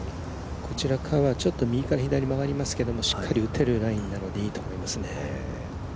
こちらからは右から左に曲がりますけどしっかり打てるラインなので、いいと思いますね。